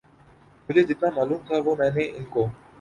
مجھے جتنا معلوم تھا وہ میں نے ان کو